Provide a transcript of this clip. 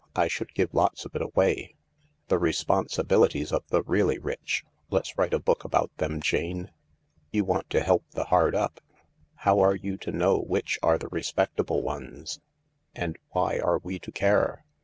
I should give lots of it away. 1 The Responsibilities of the Really Rich.' Let's write a book about them, Jane. You want to help the hard up. How are you to know which are the respectable ones ?"" And why are we to care